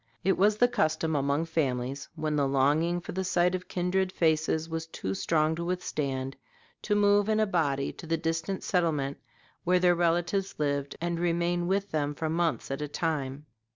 It was the custom among families, when the longing for the sight of kindred faces was too strong to withstand, to move in a body to the distant settlement where their relatives lived and remain with them for months at a time.